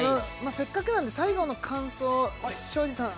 せっかくなんで最後の感想庄司さん